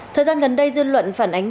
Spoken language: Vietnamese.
thời gian gần đây dư luận phản ánh